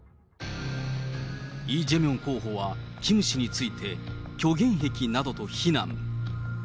イ・ジェミョン候補はキム氏について、虚言癖などと非難。